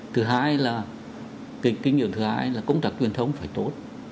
thứ hai là kinh nghiệm thứ hai là công trạng truyền thông phải tốt